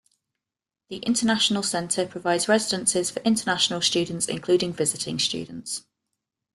The International Centre provides residences for international students, including visiting students.